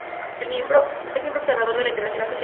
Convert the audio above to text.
Es miembro observador de la Internacional Socialista.